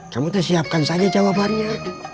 kamu tersiapkan saja jawabannya